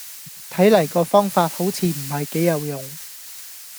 睇黎個方法好似唔係幾有用